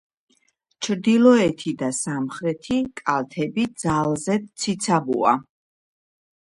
ჩრდილოეთი და სამხრეთი კალთები ძალზედ ციცაბოა.